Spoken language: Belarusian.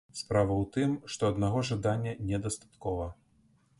Справа ў тым, што аднаго жадання не дастаткова.